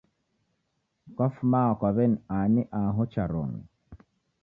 Kwafuma kwa weni ani aho cha Rong'e